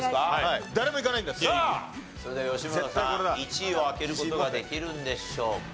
さあそれでは吉村さん１位を開ける事ができるんでしょうか？